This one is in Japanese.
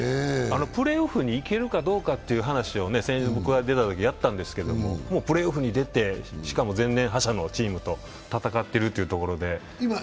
プレーオフに行けるかどうかという話を先日、僕が出たときやったんですけどもうプレーオフに出て、しかも前年覇者のチームと戦っているというところで。